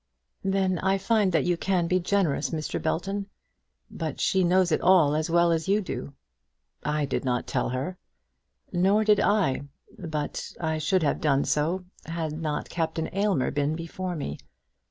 "Then I find that you can be generous, Mr. Belton. But she knows it all as well as you do." "I did not tell her." "Nor did I; but I should have done so had not Captain Aylmer been before me.